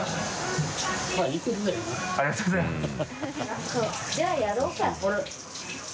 ありがとうございます。